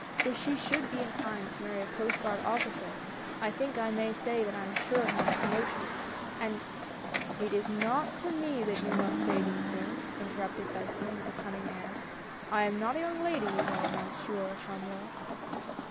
If she should be inclined to marry a Coast Guard officer, I think I may say that I am sure of my promotion, and "" It is not to me that you must say these things," interrupted Beslin, with a cunning air; "I am not a young lady, you know. Monsieur Chamulot."